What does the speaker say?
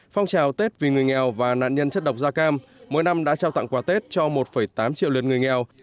phong trào tết vì người nghèo và nạn nhân chất độc da cam mỗi năm đã trao tặng quà tết cho một tám triệu lượt người nghèo